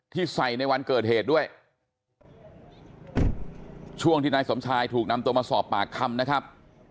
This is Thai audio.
ที่ใส่ในวันเกิดเหตุด้วยช่วงที่นายสมชายถูกนำตัวมาสอบปากคำนะครับ